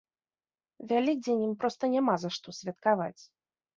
Вялікдзень ім проста няма за што святкаваць.